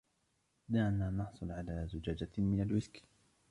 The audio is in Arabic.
دعنا نحصل على زجاجة من الويسكي.